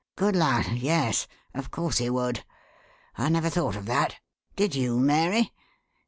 "Good lud, yes! of course he would. I never thought of that. Did you, Mary?